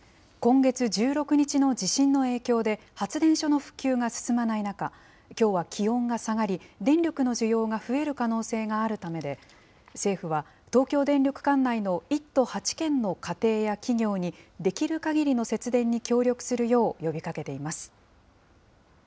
今月１６日の地震の影響で、発電所の復旧が進まない中、きょうは気温が下がり、電力の需要が増える可能性があるためで、政府は東京電力管内の１都８県の家庭や企業に、できるかぎりの節電に協力するよう呼びかけています。